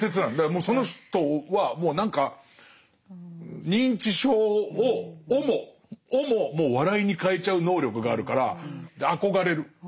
もうその人はもう何か認知症をももう笑いに変えちゃう能力があるから憧れる。